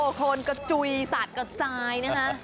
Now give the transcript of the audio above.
โอ้โหโครนกระจุยสัตว์กระจายนะฮะ